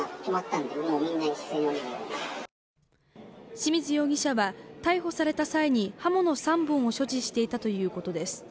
清水容疑者は逮捕された際に刃物３本を所持していたということです。